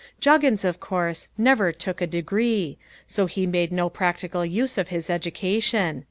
Juggins, of course, never took a degree, so he made no practical use of his education.